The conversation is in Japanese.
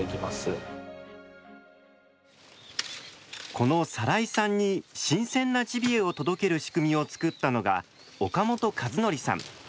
この更井さんに新鮮なジビエを届ける仕組みを作ったのが岡本和宜さん。